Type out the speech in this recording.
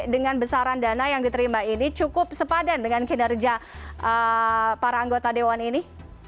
dengan besaran dana yang diterima ini cukup sepadan dengan kinerja para anggota dewan ini